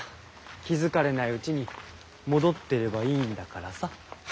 気付かれないうちに戻ってればいいんだからさ。